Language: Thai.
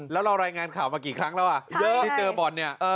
แล้วเรารายงานข่าวมากี่ครั้งแล้วอ่ะเยอะที่เจอบ่อนเนี่ย